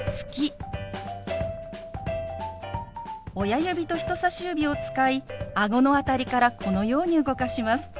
親指と人さし指を使いあごの辺りからこのように動かします。